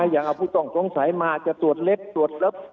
อย่างเอาผู้ต้องสงสัยมาจะตรวจเล็บตรวจรับ